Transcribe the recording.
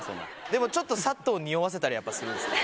でもちょっとＳＡＴをにおわせたりやっぱするんすか？